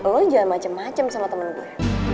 lo jangan macem macem sama temen gue